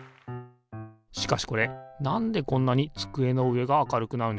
しかしこれなんでこんなに机の上が明るくなるんですかね？